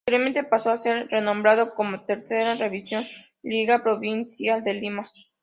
Posteriormente pasó a ser renombrado como Tercera División Liga Provincial de Lima.